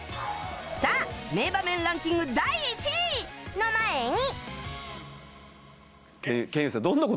さあ名場面ランキング賢雄さん